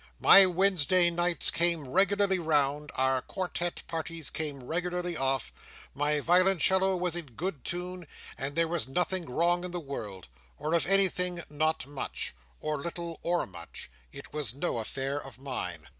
My Wednesday nights came regularly round, our quartette parties came regularly off, my violoncello was in good tune, and there was nothing wrong in my world—or if anything not much—or little or much, it was no affair of mine."